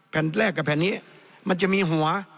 แผ่นแรกกับแผ่นนี้มันจะมีหัว